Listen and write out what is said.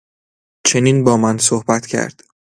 چنین با من صحبت کرد